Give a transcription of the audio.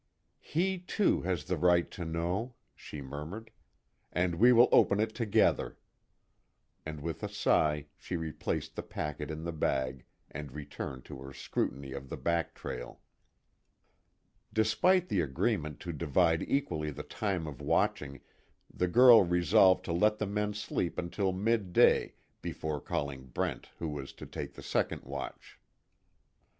"He, too, has the right to know," she murmured, "And we will open it together." And with a sigh, she replaced the packet in the bag, and returned to her scrutiny of the back trail. Despite the agreement to divide equally the time of watching, the girl resolved to let the men sleep until mid day before calling Brent who was to take the second watch.